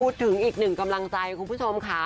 พูดถึงอีกหนึ่งกำลังใจคุณผู้ชมค่ะ